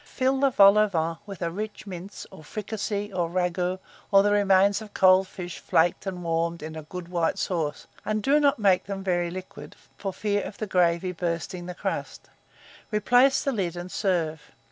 Fill the vol au vent with a rich mince, or fricassee, or ragoût, or the remains of cold fish flaked and warmed in a good white sauce, and do not make them very liquid, for fear of the gravy bursting the crust: replace the lid, and serve.